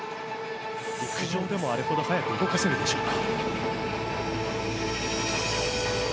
陸上でも、あれほど速く動かせるでしょうか。